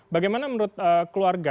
bagaimana menurut keluarga